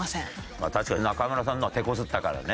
まあ確かに中村さんのは手こずったからね。